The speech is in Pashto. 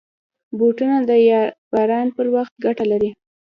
بوټونه د باران پر وخت ګټه لري.